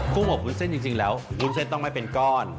มอบวุ้นเส้นจริงแล้ววุ้นเส้นต้องไม่เป็นก้อน